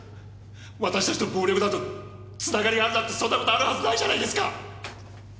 私たちと暴力団のつながりがあるなんてそんな事あるはずないじゃないですか！